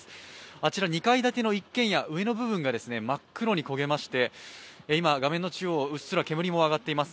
あちら２階建ての一軒家、上の部分が真っ黒に焦げまして、今、画面中央、うっすら煙も上がっています。